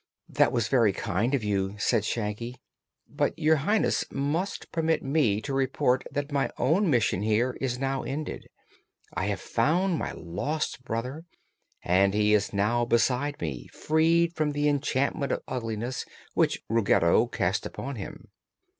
"That was very kind of you," said Shaggy. "But Your Highness must permit me to report that my own mission here is now ended. I have found my lost brother, and he is now beside me, freed from the enchantment of ugliness which Ruggedo cast upon him.